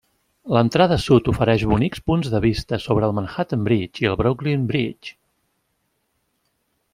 L'entrada sud ofereix bonics punts de vista sobre el Manhattan Bridge i el Brooklyn Bridge.